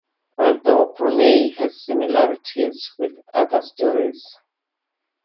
Although Brunei has similarities with otherstories.